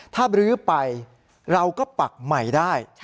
ถ้าบรื้อไปเราก็ปักใหม่ได้